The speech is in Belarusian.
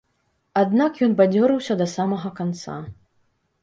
Аднак ён бадзёрыўся да самага канца.